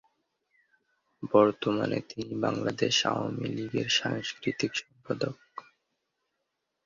বর্তমানে তিনি বাংলাদেশ আওয়ামী লীগের সাংস্কৃতিক সম্পাদক।